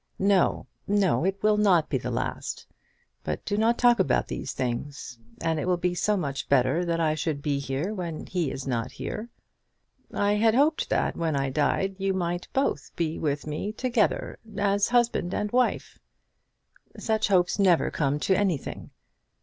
"No, no; it will not be the last. But do not talk about these things. And it will be so much better that I should be here when he is not here." "I had hoped that when I died you might both be with me together, as husband and wife." "Such hopes never come to anything."